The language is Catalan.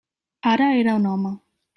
Ara era un home.